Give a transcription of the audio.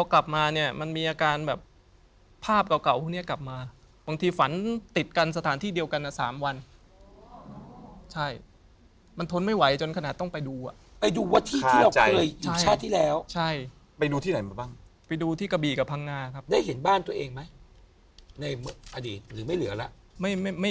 คุณก็รู้อยู่แล้วว่านั่นคือผีละ